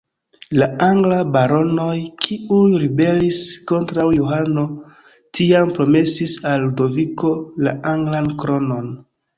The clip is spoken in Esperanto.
La anglaj baronoj, kiuj ribelis kontraŭ Johano, tiam promesis al Ludoviko la anglan kronon.